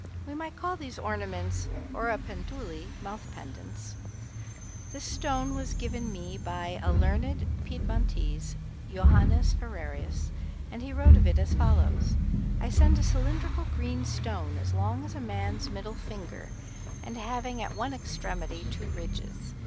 We might call these ornaments oripenduli [mouth pendants]. This stone was given me by a learned Piedmontese, Johannes Ferrerius, and he wrote of it as follows: "I send a cylindrical green stone, as long as a man's middle finger, and having at one extremity two ridges.